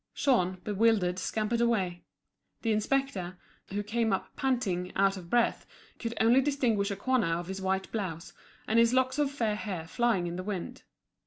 Jean, bewildered, scampered away. The inspector, who came up panting, out of breath, could only distinguish a corner of his white blouse, and his locks of fair hair flying in the wind.